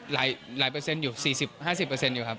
หลายเปอร์เซ็นต์อยู่๔๐๕๐อยู่ครับ